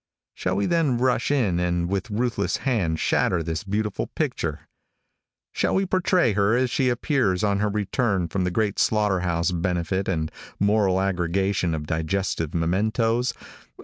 Shall we then rush in and with ruthless hand shatter this beautiful picture? Shall we portray her as she appears on her return from the great slaughter house benefit and moral aggregation of digestive mementoes?